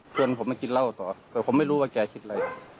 เหมือนผมมากินเหล้าต่อแต่ผมไม่รู้ว่าแกคิดอะไร